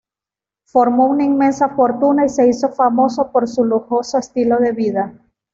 Formó una inmensa fortuna y se hizo famoso por su lujoso estilo de vida.